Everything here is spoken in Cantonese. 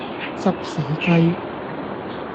執死雞